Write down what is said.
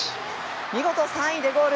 見事３位でゴール。